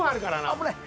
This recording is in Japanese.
危ない。